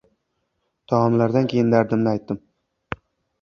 Taomlardan keyin dardimni aytdim.